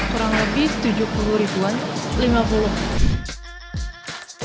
kurang lebih tujuh puluh ribuan